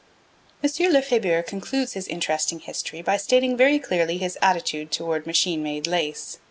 M. Lefebure concludes his interesting history by stating very clearly his attitude towards machine made lace.